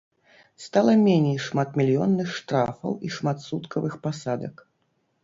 Стала меней шматмільённых штрафаў і шматсуткавых пасадак.